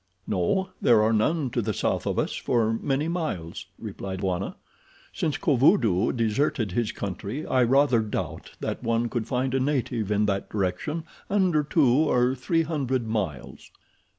"No, there are none to the south of us for many miles," replied Bwana. "Since Kovudoo deserted his country I rather doubt that one could find a native in that direction under two or three hundred miles."